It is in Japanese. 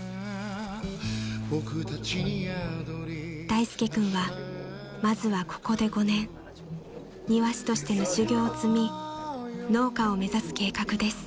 ［大介君はまずはここで５年庭師としての修業を積み農家を目指す計画です］